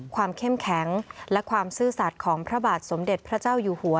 เข้มแข็งและความซื่อสัตว์ของพระบาทสมเด็จพระเจ้าอยู่หัว